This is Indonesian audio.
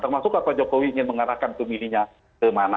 termasuk pak jokowi ingin mengarahkan pemilihnya kemana